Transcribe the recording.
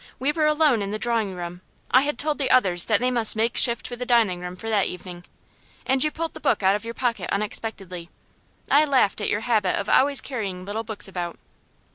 We were alone in the drawing room; I had told the others that they must make shift with the dining room for that evening. And you pulled the book out of your pocket unexpectedly. I laughed at your habit of always carrying little books about.